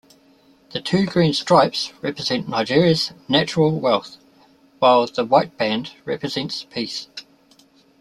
The two green stripes represent Nigeria's natural wealth, while the white band represents peace.